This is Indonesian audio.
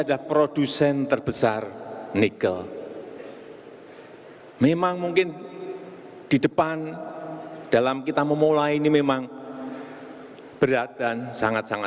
dan berkepribadian dalam berkebudayaan